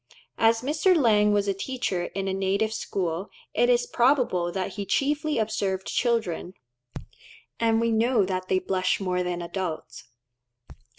As Mr. Lang was a teacher in a native school, it is probable that he chiefly observed children; and we know that they blush more than adults.